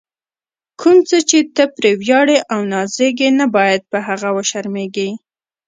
کوم څه چې ته پرې ویاړې او نازېږې، نه باید په هغه وشرمېږې.